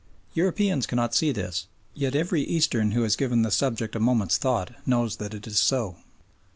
Europeans cannot see this, yet every Eastern who has given the subject a moment's thought knows that it is so.